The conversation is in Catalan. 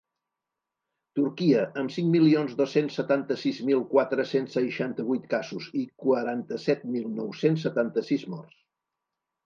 Turquia, amb cinc milions dos-cents setanta-sis mil quatre-cents seixanta-vuit casos i quaranta-set mil nou-cents setanta-sis morts.